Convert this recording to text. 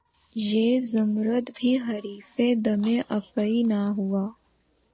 یہ زمّرد بھی حریفِ دمِ افعی نہ ہوا